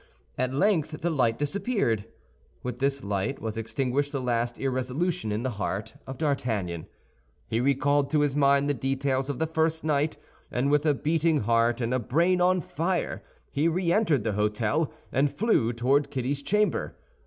At length the light disappeared. With this light was extinguished the last irresolution in the heart of D'Artagnan. He recalled to his mind the details of the first night, and with a beating heart and a brain on fire he re entered the hôtel and flew toward Kitty's chamber.